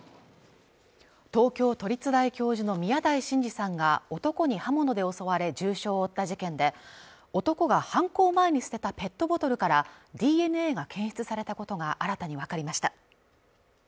東京都立大教授の宮台真司さんが男に刃物で襲われ重傷を負った事件で男が犯行前に捨てたペットボトルからＤＮＡが検出されたことが新たに分かりました